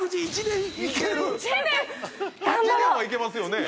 １年はいけますよね